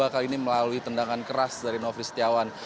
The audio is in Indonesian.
kali ini melalui tendangan keras dari nofri setiawan